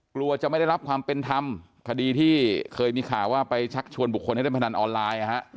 กลัวจะไม่ได้รับความเป็นธรรมคดีที่เคยมีข่าวว่าไปชักชวนบุคคลให้เล่นพนันออนไลน์